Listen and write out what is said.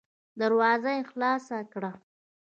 دروازه يې خلاصه کړه.